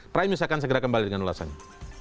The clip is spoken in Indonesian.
prime news akan segera kembali dengan ulasannya